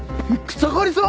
草刈さん！？